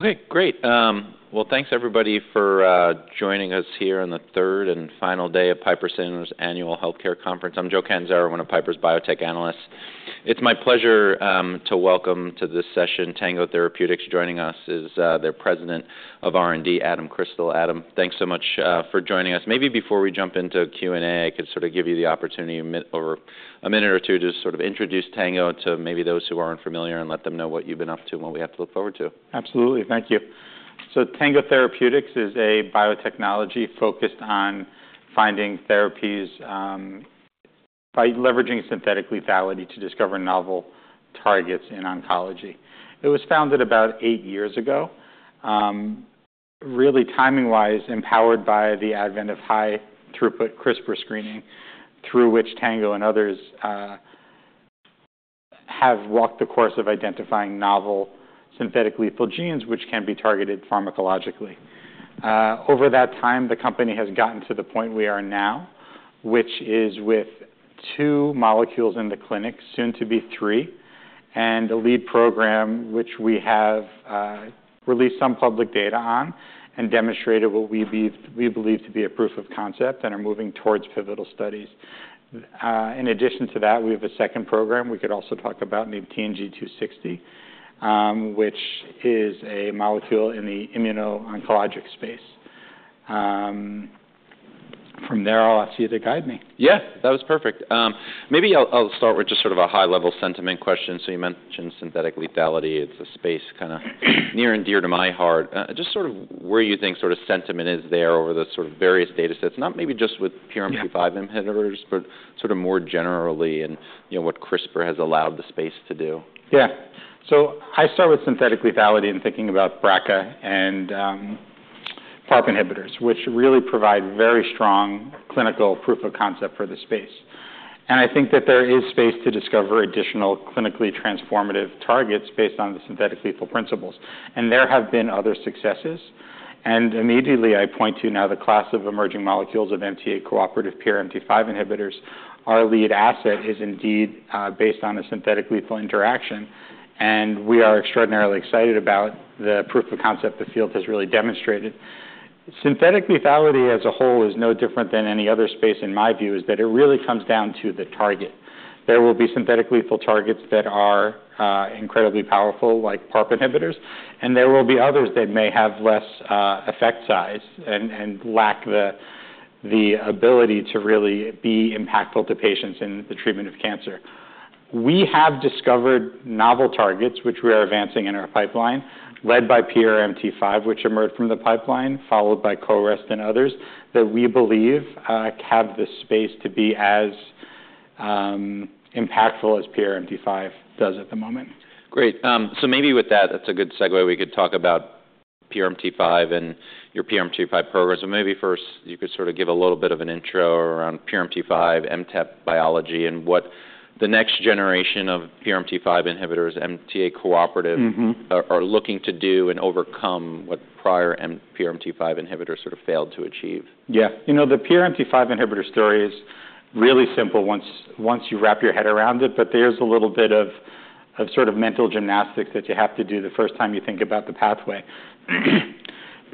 Okay, great. Well, thanks everybody for joining us here on the third and final day of Piper Sandler's annual healthcare conference. I'm Joe Catanzaro, one of Piper's biotech analysts. It's my pleasure to welcome to this session Tango Therapeutics; joining us is their President of R&D, Adam Crystal. Adam, thanks so much for joining us. Maybe before we jump into Q&A, I could sort of give you the opportunity over a minute or two to sort of introduce Tango to maybe those who aren't familiar and let them know what you've been up to and what we have to look forward to. Absolutely, thank you. So Tango Therapeutics is a biotechnology focused on finding therapies by leveraging synthetic lethality to discover novel targets in oncology. It was founded about eight years ago, really timing-wise empowered by the advent of high-throughput CRISPR screening, through which Tango and others have walked the course of identifying novel synthetic lethal genes which can be targeted pharmacologically. Over that time, the company has gotten to the point we are now, which is with two molecules in the clinic, soon to be three, and a lead program which we have released some public data on and demonstrated what we believe to be a proof of concept and are moving towards pivotal studies. In addition to that, we have a second program we could also talk about, named TNG260, which is a molecule in the immuno-oncologic space. From there, I'll ask you to guide me. Yeah, that was perfect. Maybe I'll start with just sort of a high-level sentiment question. So you mentioned synthetic lethality. It's a space kind of near and dear to my heart. Just sort of where you think sort of sentiment is there over the sort of various data sets, not maybe just with PRMT5 inhibitors, but sort of more generally and what CRISPR has allowed the space to do. Yeah, so I start with synthetic lethality and thinking about BRCA and PARP inhibitors, which really provide very strong clinical proof of concept for the space. I think that there is space to discover additional clinically transformative targets based on the synthetic lethal principles. There have been other successes. Immediately I point to now the class of emerging molecules of MTA-cooperative PRMT5 inhibitors. Our lead asset is indeed based on a synthetic lethal interaction. We are extraordinarily excited about the proof of concept the field has really demonstrated. Synthetic lethality as a whole is no different than any other space. In my view, it really comes down to the target. There will be synthetic lethal targets that are incredibly powerful, like PARP inhibitors. There will be others that may have less effect size and lack the ability to really be impactful to patients in the treatment of cancer. We have discovered novel targets, which we are advancing in our pipeline, led by PRMT5, which emerged from the pipeline, followed by CoREST and others that we believe have the space to be as impactful as PRMT5 does at the moment. Great. So maybe with that, that's a good segue. We could talk about PRMT5 and your PRMT5 programs. But maybe first you could sort of give a little bit of an intro around PRMT5, MTAP biology, and what the next generation of PRMT5 inhibitors, MTA-cooperative, are looking to do and overcome what prior PRMT5 inhibitors sort of failed to achieve. Yeah. You know, the PRMT5 inhibitor story is really simple once you wrap your head around it, but there's a little bit of sort of mental gymnastics that you have to do the first time you think about the pathway.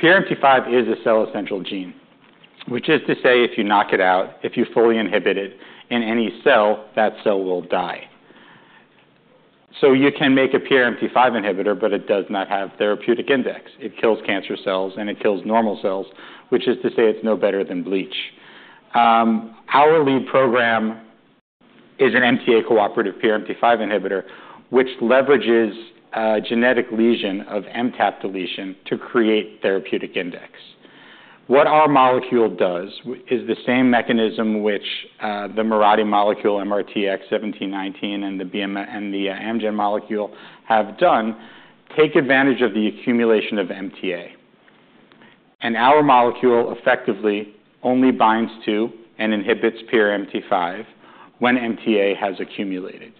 PRMT5 is a cell essential gene, which is to say if you knock it out, if you fully inhibit it in any cell, that cell will die. So you can make a PRMT5 inhibitor, but it does not have therapeutic index. It kills cancer cells and it kills normal cells, which is to say it's no better than bleach. Our lead program is an MTA cooperative PRMT5 inhibitor, which leverages a genetic lesion of MTAP deletion to create therapeutic index. What our molecule does is the same mechanism which the Mirati molecule, MRTX1719, and the Amgen molecule have done, take advantage of the accumulation of MTA. Our molecule effectively only binds to and inhibits PRMT5 when MTA has accumulated.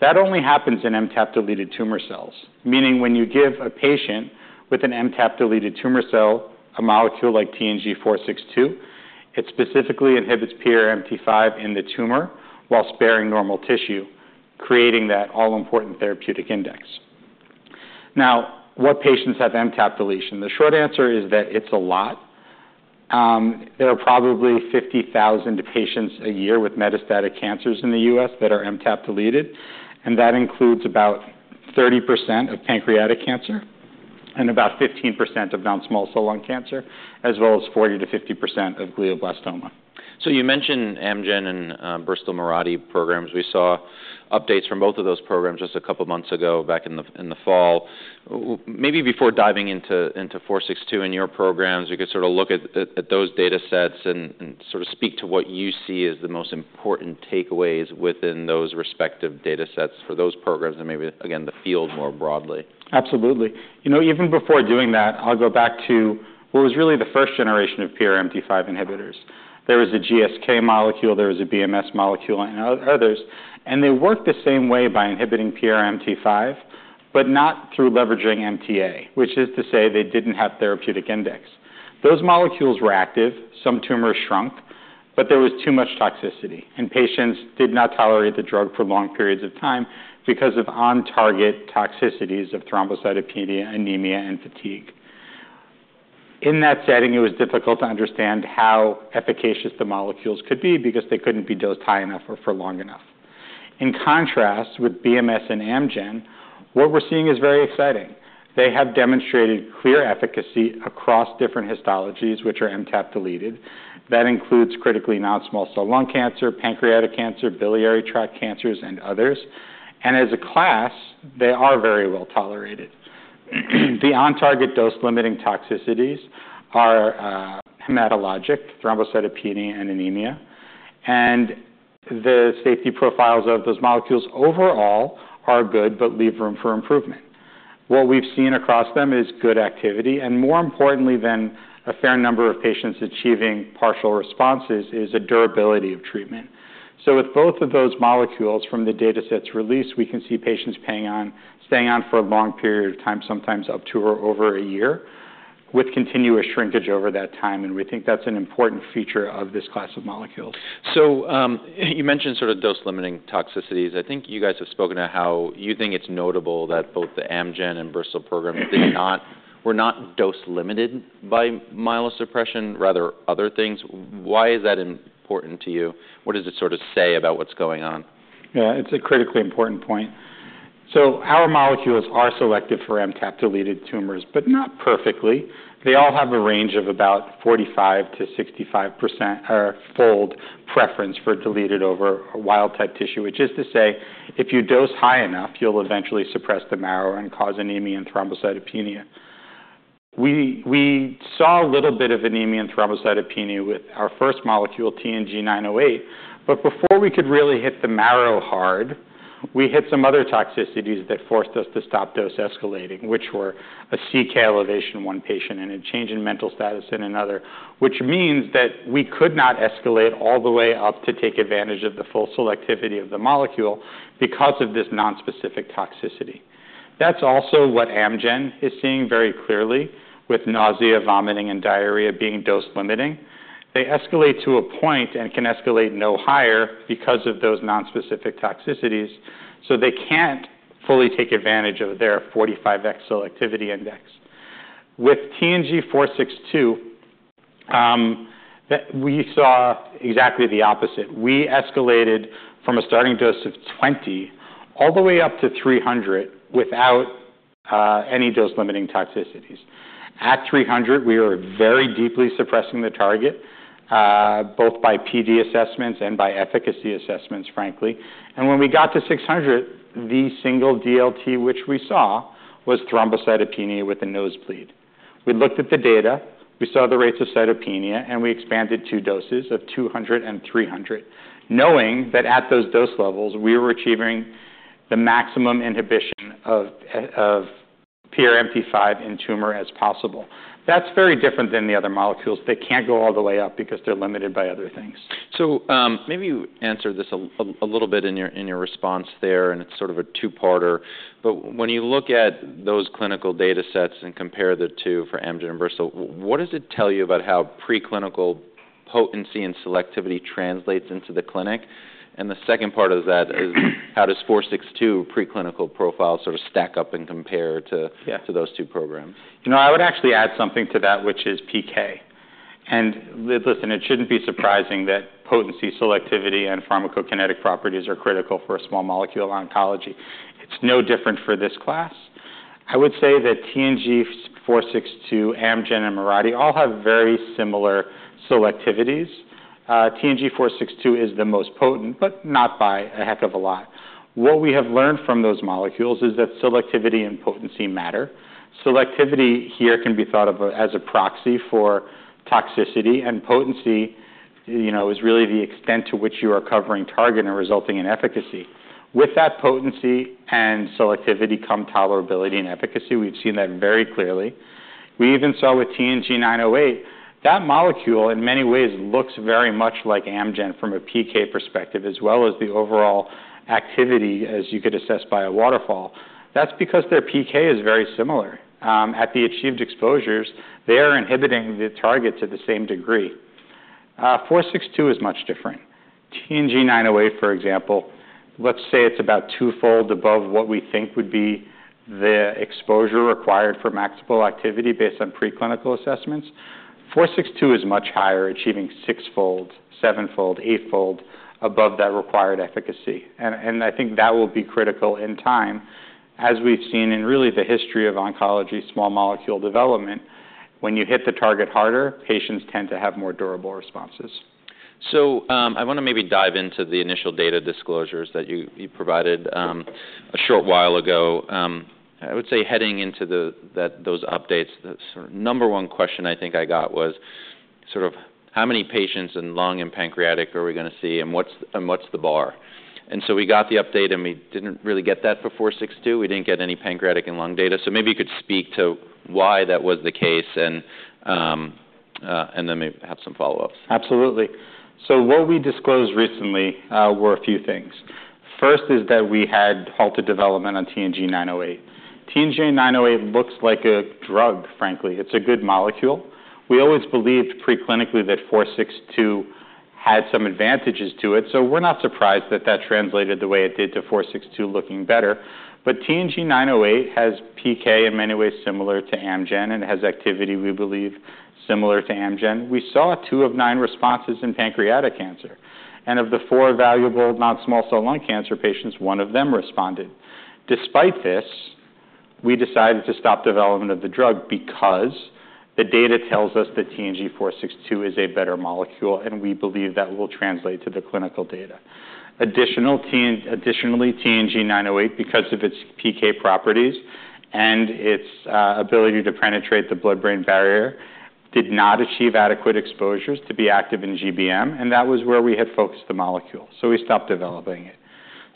That only happens in MTAP-deleted tumor cells, meaning when you give a patient with an MTAP-deleted tumor cell a molecule like TNG462, it specifically inhibits PRMT5 in the tumor while sparing normal tissue, creating that all-important therapeutic index. Now, what patients have MTAP deletion? The short answer is that it's a lot. There are probably 50,000 patients a year with metastatic cancers in the U.S. that are MTAP-deleted. That includes about 30% of pancreatic cancer and about 15% of non-small cell lung cancer, as well as 40%-50% of glioblastoma. So you mentioned Amgen and Bristol Mirati programs. We saw updates from both of those programs just a couple of months ago back in the fall. Maybe before diving into 462 and your programs, we could sort of look at those data sets and sort of speak to what you see as the most important takeaways within those respective data sets for those programs and maybe, again, the field more broadly. Absolutely. You know, even before doing that, I'll go back to what was really the first generation of PRMT5 inhibitors. There was a GSK molecule, there was a BMS molecule, and others. And they worked the same way by inhibiting PRMT5, but not through leveraging MTA, which is to say they didn't have therapeutic index. Those molecules were active, some tumors shrunk, but there was too much toxicity. And patients did not tolerate the drug for long periods of time because of on-target toxicities of thrombocytopenia, anemia, and fatigue. In that setting, it was difficult to understand how efficacious the molecules could be because they couldn't be dosed high enough or for long enough. In contrast, with BMS and Amgen, what we're seeing is very exciting. They have demonstrated clear efficacy across different histologies, which are MTAP-deleted. That includes critically non-small cell lung cancer, pancreatic cancer, biliary tract cancers, and others. And as a class, they are very well tolerated. The on-target dose-limiting toxicities are hematologic, thrombocytopenia, and anemia. And the safety profiles of those molecules overall are good, but leave room for improvement. What we've seen across them is good activity. And more importantly than a fair number of patients achieving partial responses is a durability of treatment. So with both of those molecules from the data sets released, we can see patients staying on for a long period of time, sometimes up to or over a year, with continuous shrinkage over that time. And we think that's an important feature of this class of molecules. So you mentioned sort of dose-limiting toxicities. I think you guys have spoken to how you think it's notable that both the Amgen and Bristol programs were not dose-limited by myelosuppression, rather other things. Why is that important to you? What does it sort of say about what's going on? Yeah, it's a critically important point, so our molecules are selected for MTAP-deleted tumors, but not perfectly. They all have a range of about 45%-65% fold preference for deleted over wild-type tissue, which is to say if you dose high enough, you'll eventually suppress the marrow and cause anemia and thrombocytopenia. We saw a little bit of anemia and thrombocytopenia with our first molecule, TNG908, but before we could really hit the marrow hard, we hit some other toxicities that forced us to stop dose escalating, which were a CK elevation in one patient and a change in mental status in another, which means that we could not escalate all the way up to take advantage of the full selectivity of the molecule because of this non-specific toxicity. That's also what Amgen is seeing very clearly, with nausea, vomiting, and diarrhea being dose-limiting. They escalate to a point and can escalate no higher because of those non-specific toxicities, so they can't fully take advantage of their 45X selectivity index. With TNG462, we saw exactly the opposite. We escalated from a starting dose of 20 all the way up to 300 without any dose-limiting toxicities. At 300, we were very deeply suppressing the target, both by PD assessments and by efficacy assessments, frankly, and when we got to 600, the single DLT which we saw was thrombocytopenia with a nose bleed. We looked at the data, we saw the rates of cytopenia, and we expanded two doses of 200 and 300, knowing that at those dose levels, we were achieving the maximum inhibition of PRMT5 in tumor as possible. That's very different than the other molecules. They can't go all the way up because they're limited by other things. So maybe you answered this a little bit in your response there, and it's sort of a two-parter. But when you look at those clinical data sets and compare the two for Amgen and Bristol, what does it tell you about how preclinical potency and selectivity translates into the clinic? And the second part of that is how does 462 preclinical profile sort of stack up and compare to those two programs? You know, I would actually add something to that, which is PK. And listen, it shouldn't be surprising that potency, selectivity, and pharmacokinetic properties are critical for a small molecule oncology. It's no different for this class. I would say that TNG462, Amgen, and Mirati all have very similar selectivities. TNG462 is the most potent, but not by a heck of a lot. What we have learned from those molecules is that selectivity and potency matter. Selectivity here can be thought of as a proxy for toxicity. And potency is really the extent to which you are covering target and resulting in efficacy. With that potency and selectivity come tolerability and efficacy. We've seen that very clearly. We even saw with TNG908, that molecule in many ways looks very much like Amgen from a PK perspective, as well as the overall activity, as you could assess by a waterfall. That's because their PK is very similar. At the achieved exposures, they are inhibiting the target to the same degree. 462 is much different. TNG908, for example, let's say it's about twofold above what we think would be the exposure required for maximal activity based on preclinical assessments. 462 is much higher, achieving sixfold, sevenfold, eightfold above that required efficacy. And I think that will be critical in time, as we've seen in really the history of oncology, small molecule development. When you hit the target harder, patients tend to have more durable responses. So I want to maybe dive into the initial data disclosures that you provided a short while ago. I would say heading into those updates, the number one question I think I got was sort of how many patients in lung and pancreatic are we going to see and what's the bar? And so we got the update and we didn't really get that for 462. We didn't get any pancreatic and lung data. So maybe you could speak to why that was the case and then maybe have some follow-ups. Absolutely. So what we disclosed recently were a few things. First is that we had halted development on TNG908. TNG908 looks like a drug, frankly. It's a good molecule. We always believed preclinically that 462 had some advantages to it. So we're not surprised that that translated the way it did to 462 looking better. But TNG908 has PK in many ways similar to Amgen and has activity, we believe, similar to Amgen. We saw two of nine responses in pancreatic cancer. And of the four evaluable non-small cell lung cancer patients, one of them responded. Despite this, we decided to stop development of the drug because the data tells us that TNG462 is a better molecule and we believe that will translate to the clinical data. Additionally, TNG908, because of its PK properties and its ability to penetrate the blood-brain barrier, did not achieve adequate exposures to be active in GBM. And that was where we had focused the molecule. So we stopped developing it.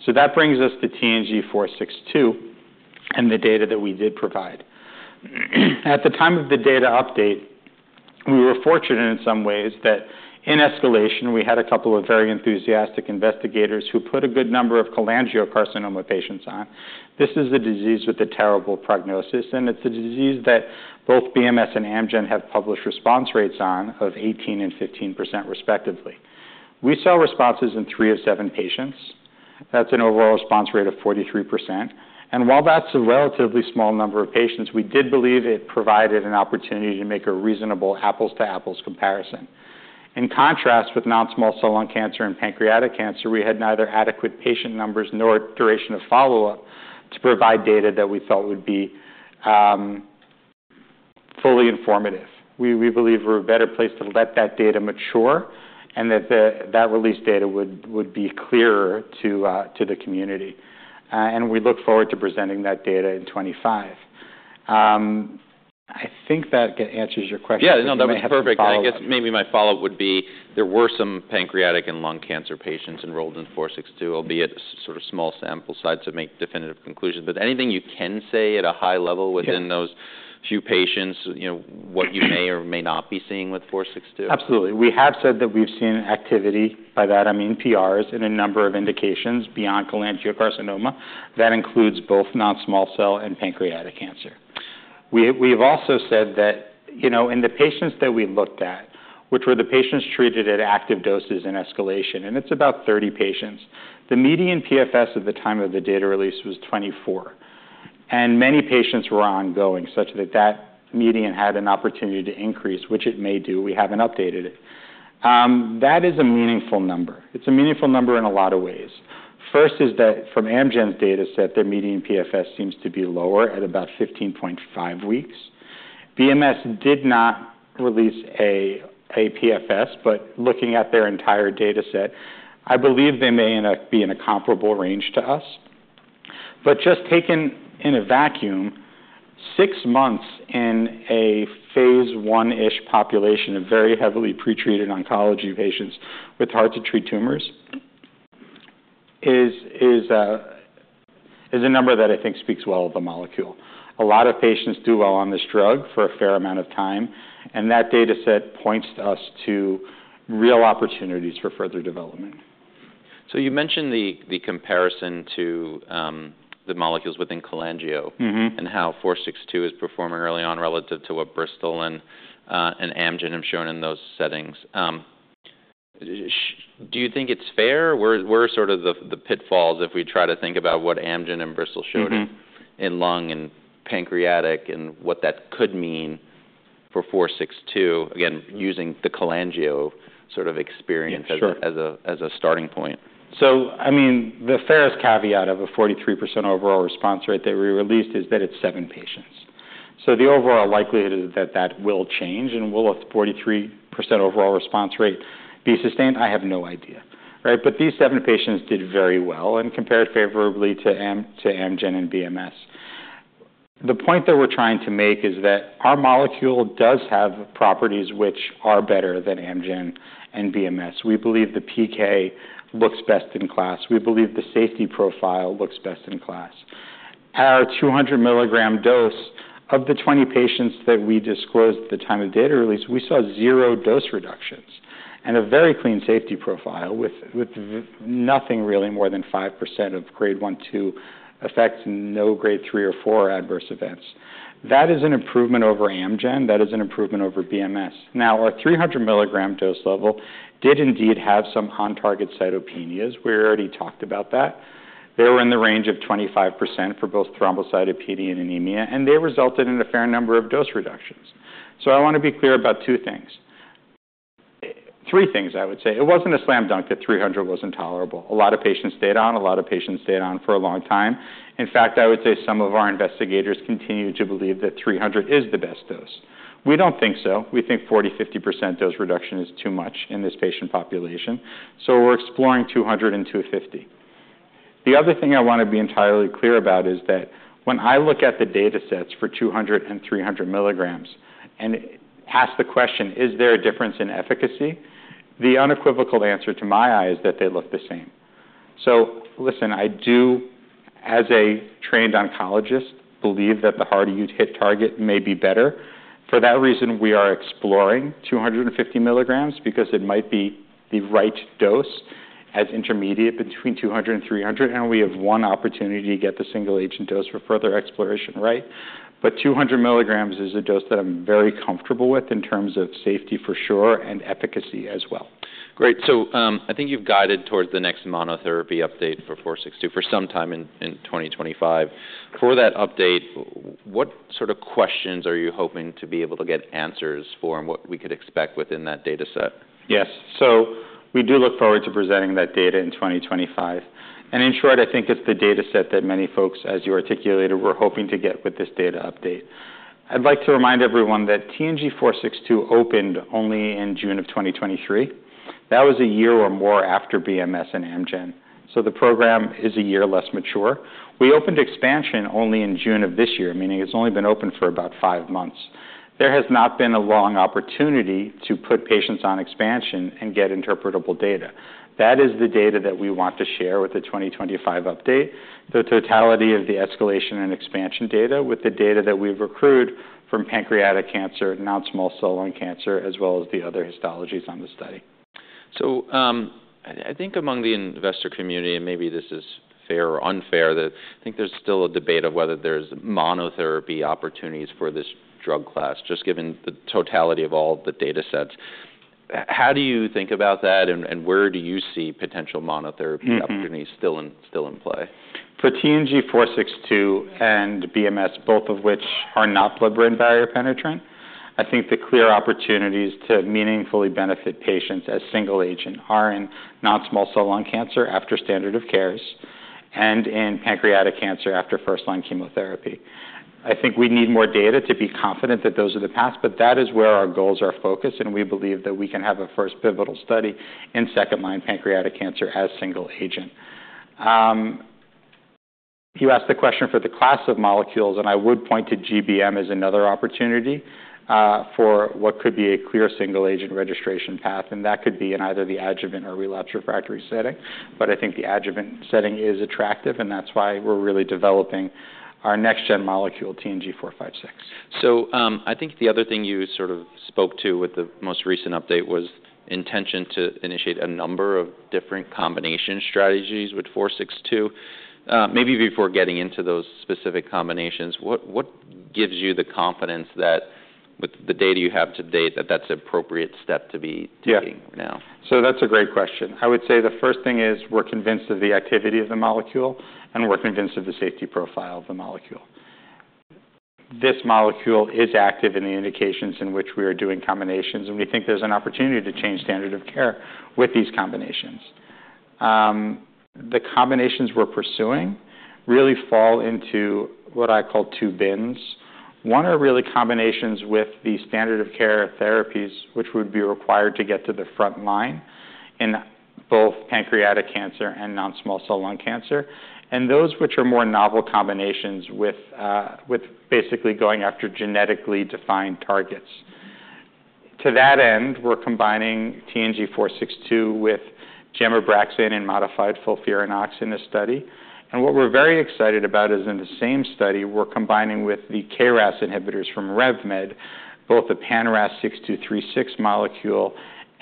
So that brings us to TNG462 and the data that we did provide. At the time of the data update, we were fortunate in some ways that in escalation, we had a couple of very enthusiastic investigators who put a good number of cholangiocarcinoma patients on. This is a disease with a terrible prognosis. And it's a disease that both BMS and Amgen have published response rates on of 18% and 15% respectively. We saw responses in three of seven patients. That's an overall response rate of 43%. And while that's a relatively small number of patients, we did believe it provided an opportunity to make a reasonable apples-to-apples comparison. In contrast with non-small cell lung cancer and pancreatic cancer, we had neither adequate patient numbers nor duration of follow-up to provide data that we felt would be fully informative. We believe we're a better place to let that data mature and that that release data would be clearer to the community, and we look forward to presenting that data in 25. I think that answers your question. Yeah, no, that was perfect. I guess maybe my follow-up would be there were some pancreatic and lung cancer patients enrolled in 462, albeit sort of small sample sizes to make definitive conclusions. But anything you can say at a high level within those few patients, what you may or may not be seeing with 462? Absolutely. We have said that we've seen activity, by that I mean PRs, in a number of indications beyond cholangiocarcinoma. That includes both non-small cell and pancreatic cancer. We have also said that, you know, in the patients that we looked at, which were the patients treated at active doses and escalation, and it's about 30 patients, the median PFS at the time of the data release was 24. And many patients were ongoing, such that that median had an opportunity to increase, which it may do. We haven't updated it. That is a meaningful number. It's a meaningful number in a lot of ways. First is that from Amgen's data set, their median PFS seems to be lower at about 15.5 weeks. BMS did not release a PFS, but looking at their entire data set, I believe they may be in a comparable range to us. But just taken in a vacuum, six months in a phase one-ish population of very heavily pretreated oncology patients with hard-to-treat tumors is a number that I think speaks well of the molecule. A lot of patients do well on this drug for a fair amount of time. And that data set points to us to real opportunities for further development. So you mentioned the comparison to the molecules within cholangio and how 462 is performing early on relative to what Bristol and Amgen have shown in those settings. Do you think it's fair? Where are sort of the pitfalls if we try to think about what Amgen and Bristol showed in lung and pancreatic and what that could mean for 462, again, using the cholangio sort of experience as a starting point? Sure. So I mean, the fairest caveat of a 43% overall response rate that we released is that it's seven patients. So the overall likelihood is that that will change. And will a 43% overall response rate be sustained? I have no idea. But these seven patients did very well and compared favorably to Amgen and BMS. The point that we're trying to make is that our molecule does have properties which are better than Amgen and BMS. We believe the PK looks best in class. We believe the safety profile looks best in class. At our 200 milligram dose, of the 20 patients that we disclosed at the time of data release, we saw zero dose reductions and a very clean safety profile with nothing really more than 5% of grade 1, 2 effects and no grade 3 or 4 adverse events. That is an improvement over Amgen. That is an improvement over BMS. Now, our 300 milligram dose level did indeed have some on-target cytopenias. We already talked about that. They were in the range of 25% for both thrombocytopenia and anemia, and they resulted in a fair number of dose reductions, so I want to be clear about two things. Three things, I would say. It wasn't a slam dunk that 300 wasn't tolerable. A lot of patients stayed on. A lot of patients stayed on for a long time. In fact, I would say some of our investigators continue to believe that 300 is the best dose. We don't think so. We think 40%-50% dose reduction is too much in this patient population, so we're exploring 200-250. The other thing I want to be entirely clear about is that when I look at the data sets for 200 and 300 milligrams and ask the question, is there a difference in efficacy? The unequivocal answer to my eye is that they look the same. So listen, I do, as a trained oncologist, believe that the harder you hit target may be better. For that reason, we are exploring 250 milligrams because it might be the right dose as intermediate between 200 and 300. And we have one opportunity to get the single-agent dose for further exploration, right? But 200 milligrams is a dose that I'm very comfortable with in terms of safety for sure and efficacy as well. Great. So I think you've guided towards the next monotherapy update for 462 for some time in 2025. For that update, what sort of questions are you hoping to be able to get answers for and what we could expect within that data set? Yes, so we do look forward to presenting that data in 2025, and in short, I think it's the data set that many folks, as you articulated, were hoping to get with this data update. I'd like to remind everyone that TNG462 opened only in June of 2023. That was a year or more after BMS and Amgen. So the program is a year less mature. We opened expansion only in June of this year, meaning it's only been open for about five months. There has not been a long opportunity to put patients on expansion and get interpretable data. That is the data that we want to share with the 2025 update, the totality of the escalation and expansion data with the data that we've accrued from pancreatic cancer, non-small cell lung cancer, as well as the other histologies on the study. So I think among the investor community, and maybe this is fair or unfair, that I think there's still a debate of whether there's monotherapy opportunities for this drug class, just given the totality of all the data sets. How do you think about that? And where do you see potential monotherapy opportunities still in play? For TNG462 and BMS, both of which are not blood-brain barrier penetrant, I think the clear opportunities to meaningfully benefit patients as single-agent are in non-small cell lung cancer after standard of care and in pancreatic cancer after first-line chemotherapy. I think we need more data to be confident that those are the paths. But that is where our goals are focused. And we believe that we can have a first pivotal study in second-line pancreatic cancer as single-agent. You asked the question for the class of molecules, and I would point to GBM as another opportunity for what could be a clear single-agent registration path. And that could be in either the adjuvant or relapsed refractory setting. But I think the adjuvant setting is attractive. And that's why we're really developing our next-Gen molecule, TNG456. So I think the other thing you sort of spoke to with the most recent update was intention to initiate a number of different combination strategies with 462. Maybe before getting into those specific combinations, what gives you the confidence that with the data you have to date, that that's an appropriate step to be taking now? Yeah, so that's a great question. I would say the first thing is we're convinced of the activity of the molecule, and we're convinced of the safety profile of the molecule. This molecule is active in the indications in which we are doing combinations, and we think there's an opportunity to change standard of care with these combinations. The combinations we're pursuing really fall into what I call two bins. One are really combinations with the standard of care therapies, which would be required to get to the front line in both pancreatic cancer and non-small cell lung cancer, and those which are more novel combinations with basically going after genetically defined targets. To that end, we're combining TNG462 with gemcitabine and modified FOLFIRINOX in this study. And what we're very excited about is in the same study, we're combining with the KRAS inhibitors from RevMed, both the pan-RAS-6236 molecule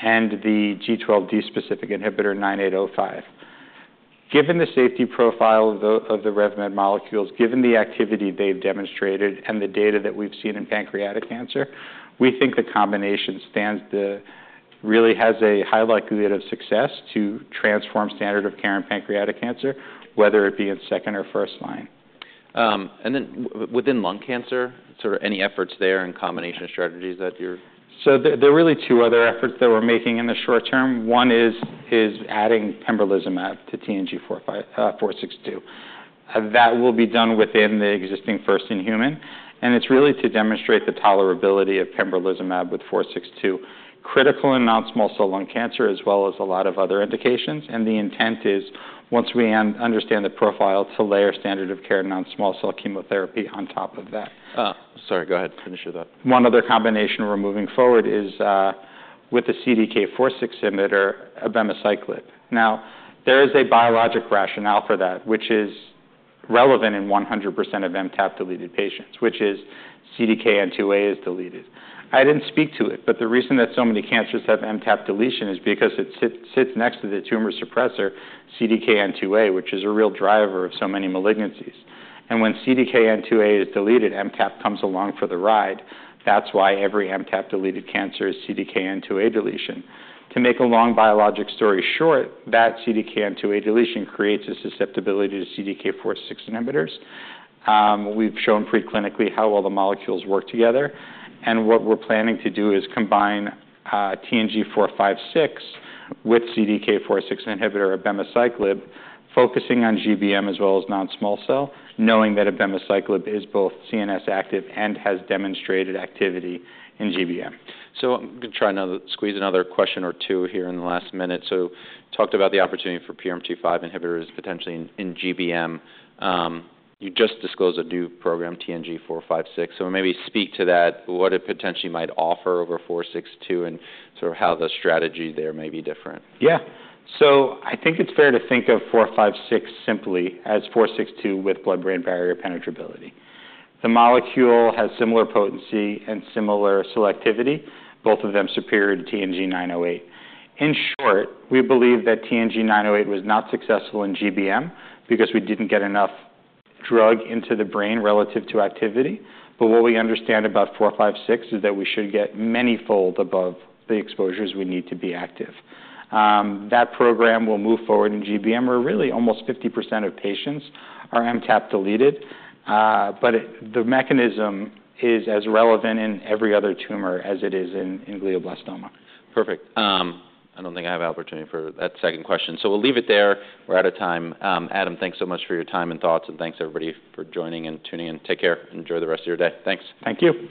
and the G12D-specific inhibitor 9805. Given the safety profile of the RevMed molecules, given the activity they've demonstrated, and the data that we've seen in pancreatic cancer, we think the combination really has a high likelihood of success to transform standard of care in pancreatic cancer, whether it be in second or first line. And then within lung cancer, sort of any efforts there in combination strategies that you're? So there are really two other efforts that we're making in the short term. One is adding pembrolizumab to TNG462. That will be done within the existing first-in-human. And it's really to demonstrate the tolerability of pembrolizumab with 462, critical in non-small cell lung cancer, as well as a lot of other indications. And the intent is, once we understand the profile, to layer standard of care non-small cell chemotherapy on top of that. Sorry, go ahead. Finish your thought. One other combination we're moving forward is with the CDK4/6 inhibitor, abemaciclib. Now, there is a biologic rationale for that, which is relevant in 100% of MTAP-deleted patients: CDKN2A is deleted. I didn't speak to it, but the reason that so many cancers have MTAP deletion is because it sits next to the tumor suppressor, CDKN2A, which is a real driver of so many malignancies, and when CDKN2A is deleted, MTAP comes along for the ride. That's why every MTAP-deleted cancer is CDKN2A deletion. To make a long biologic story short, that CDKN2A deletion creates a susceptibility to CDK4/6 inhibitors. We've shown preclinically how well the molecules work together, and what we're planning to do is combine TNG456 with CDK4/6 inhibitor, abemaciclib, focusing on GBM as well as non-small cell, knowing that abemaciclib is both CNS active and has demonstrated activity in GBM. So I'm going to try to squeeze another question or two here in the last minute. So you talked about the opportunity for PRMT5 inhibitors potentially in GBM. You just disclosed a new program, TNG456. So maybe speak to that, what it potentially might offer over 462, and sort of how the strategy there may be different? Yeah. So I think it's fair to think of 456 simply as 462 with blood-brain barrier penetrability. The molecule has similar potency and similar selectivity, both of them superior to TNG908. In short, we believe that TNG908 was not successful in GBM because we didn't get enough drug into the brain relative to activity. But what we understand about 456 is that we should get many-fold above the exposures we need to be active. That program will move forward in GBM where really almost 50% of patients are MTAP-deleted. But the mechanism is as relevant in every other tumor as it is in glioblastoma. Perfect. I don't think I have an opportunity for that second question. So we'll leave it there. We're out of time. Adam, thanks so much for your time and thoughts. And thanks everybody for joining and tuning in. Take care. Enjoy the rest of your day. Thanks. Thank you.